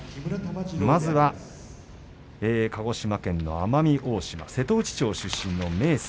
まずは鹿児島県の奄美大島瀬戸内町出身の明生。